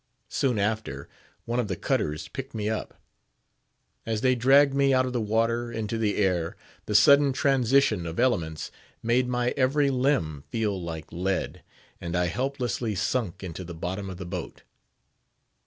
Soon after, one of the cutters picked me up. As they dragged me out of the water into the air, the sudden transition of elements made my every limb feel like lead, and I helplessly sunk into the bottom of the boat.